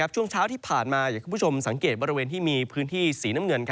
ช่วงเช้าที่ผ่านมาอยากให้คุณผู้ชมสังเกตบริเวณที่มีพื้นที่สีน้ำเงิน